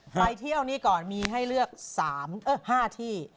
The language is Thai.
ไปเที่ยวนี้ก่อนมีให้เลือก๓๕ที่